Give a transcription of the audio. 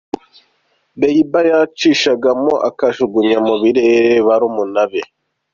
Bieber yacishagamo akajugunya mu birere barumuna be.